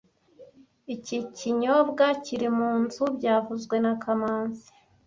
Iki kinyobwa kiri munzu byavuzwe na kamanzi